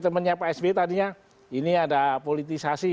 statementnya pak s b tadinya ini ada politisasi